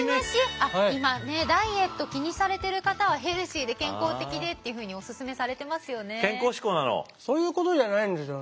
あっ今ねダイエット気にされてる方はヘルシーで健康的でっていうふうにおすすめされてますよね。